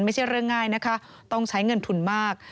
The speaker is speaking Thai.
ไม่ใช่เรื่องง่ายนะคะต้องใช้เงินทุนมาก